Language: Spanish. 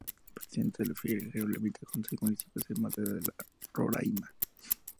Presidente Figueiredo limita con seis municipios, además del de Roraima.